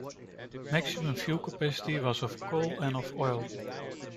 Maximum fuel capacity was of coal and of oil.